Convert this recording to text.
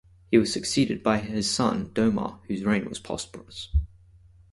He was succeeded by his son Domar whose reign was prosperous.